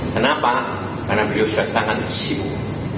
kenapa karena beliau sudah sangat sibuk